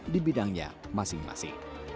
di bidangnya masing masing